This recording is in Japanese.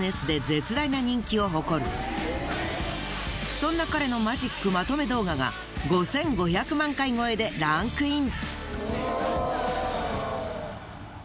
そんな彼のマジックまとめ動画が５，５００万回超えでランクイン。